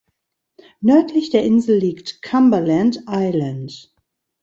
Nördlich der Insel liegt Cumberland Island.